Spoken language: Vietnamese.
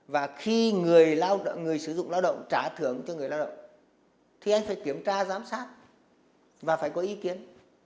và khi người lao người sử dụng lao động trả thưởng cho người lao động thì anh phải kiểm tra giám sát và phải có ý kiến